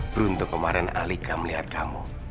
beruntung kemarin alika melihat kamu